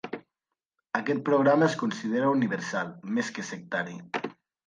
Aquest programa es considera universal, més que sectari.